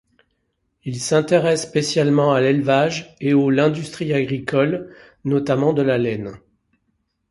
Il s'intéresse spécialement à l'élevage et aux l'industrie agricole, notamment de la laine.